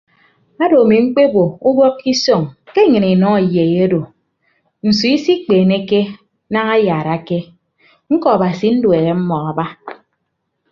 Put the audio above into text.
Odo ami mkpebo ubọk ke isọñ ke nnyịn inọ eyei odo nsu isikpeeneke daña ayaarake ñkọ abasi nduehe mmọọ aba.